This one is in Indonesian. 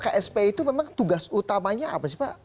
ksp itu memang tugas utamanya apa sih pak